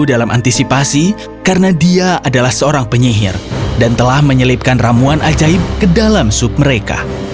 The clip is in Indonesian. dalam antisipasi karena dia adalah seorang penyihir dan telah menyelipkan ramuan ajaib ke dalam sup mereka